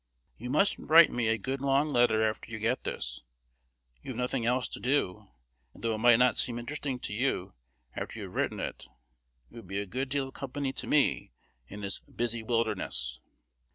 You must write me a good long letter after you get this. You have nothing else to do; and, though it might not seem interesting to you after you have written it, it would be a good deal of company to me in this "busy wilderness."